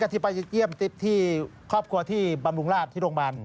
ที่ไปเยี่ยมติ๊บที่ครอบครัวที่บำรุงราชที่โรงพยาบาล